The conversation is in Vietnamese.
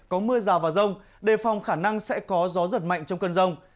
có mưa rào và rông đề phòng khả năng sẽ có gió giật mạnh trong cơn rông